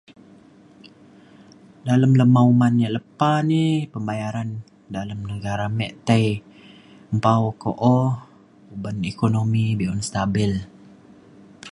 dalem lema uman ja' lepa ni pembayaran dalem negara me' tai mpao ko'o uban ekonomi be'un stabil